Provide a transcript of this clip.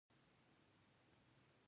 ایا ستاسو زیاتوالی به کنټرول نه شي؟